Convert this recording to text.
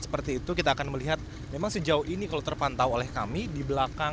seperti itu kita akan melihat memang sejauh ini kalau terpantau oleh kami di belakang